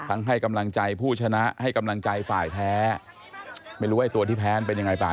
ให้กำลังใจผู้ชนะให้กำลังใจฝ่ายแพ้ไม่รู้ว่าไอ้ตัวที่แพ้มันเป็นยังไงเปล่า